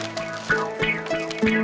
t dolphin loi ya